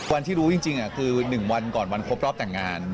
วันที่รู้จริงคือ๑วันก่อนวันครบรอบแต่งงาน